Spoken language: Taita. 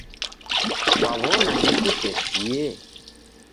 Kwaw'ona nikutesie?